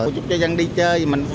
chúc cho dân đi chơi